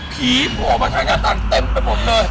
ผีโผล่ออกมาทางหน้าต่างเต็มไปหมดเลย